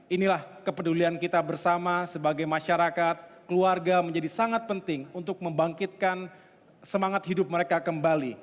inilah kepedulian kita bersama sebagai masyarakat keluarga menjadi sangat penting untuk membangkitkan semangat hidup mereka kembali